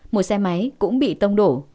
một xe máy cũng bị tông đổ